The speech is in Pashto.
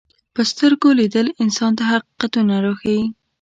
په سترګو لیدل انسان ته حقیقتونه راښيي